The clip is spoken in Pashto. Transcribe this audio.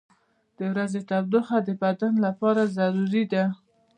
• د ورځې تودوخه د بدن لپاره ضروري ده.